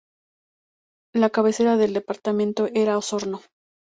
La cabecera del departamento era Osorno.